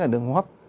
đường hô hấp